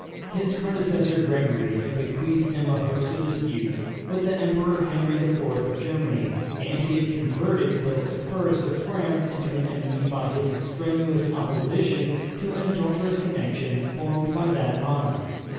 His predecessor Gregory had bequeathed him a host of disputes with the Emperor Henry IV. of Germany, and he had converted Philip I. of France into an enemy by his strenuous opposition to an adulterous connexion formed by that monarch.